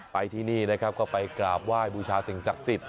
ไปที่นี่นะครับก็ไปกราบไหว้บูชาสิ่งศักดิ์สิทธิ